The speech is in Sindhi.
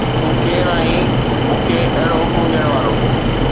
تون ڪير آهين مون کي اهڙو حڪم ڏيڻ وارو؟